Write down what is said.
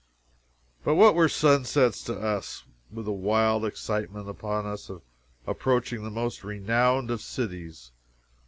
But what were sunsets to us, with the wild excitement upon us of approaching the most renowned of cities!